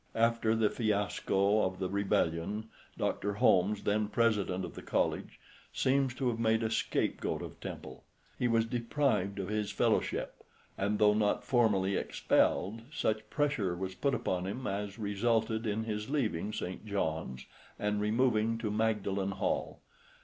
After the fiasco of the Rebellion Dr. Holmes, then President of the College, seems to have made a scapegoat of Temple. He was deprived of his fellowship, and though not formally expelled, such pressure was put upon him as resulted in his leaving St. John's and removing to Magdalen Hall.